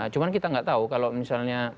cuma kita nggak tahu kalau misalnya